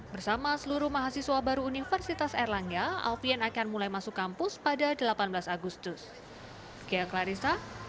bersama seluruh mahasiswa baru universitas erlangga alfian akan mulai masuk kampus pada delapan belas agustus